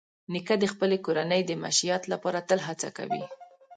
نیکه د خپلې کورنۍ د معیشت لپاره تل هڅه کوي.